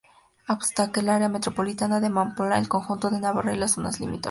Abastece al Área metropolitana de Pamplona, el conjunto de Navarra y las zonas limítrofes.